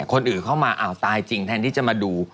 คนอื่นเข้ามาอ้าวตายจริงแทนที่จะมาดู